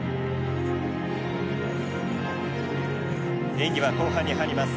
演技は後半に入ります。